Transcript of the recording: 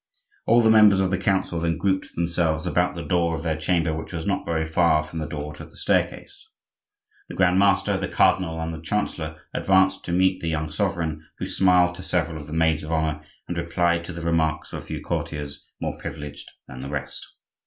All the members of the Council then grouped themselves about the door of their chamber, which was not very far from the door to the staircase. The grand master, the cardinal, and the chancellor advanced to meet the young sovereign, who smiled to several of the maids of honor and replied to the remarks of a few courtiers more privileged than the rest.